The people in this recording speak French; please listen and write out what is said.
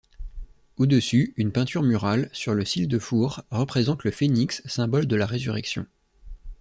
Au-dessus, une peinture murale, sur le cil-de-four, représente le phénix symbole de la résurrection.